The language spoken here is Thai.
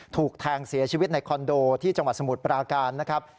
ถูกแทงเสียชีวิตในคอนโดที่จังหวัดสมุทรปราการนะครับ